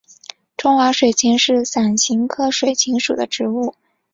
中华水芹是伞形科水芹属的植物。